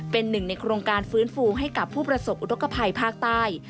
เป็นหนึ่งในโครงการฟื้นฟูให้กับผู้ประสบอุทธกภัยภาคใต้